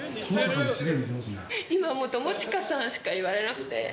今もう友近さんしか言われなくて。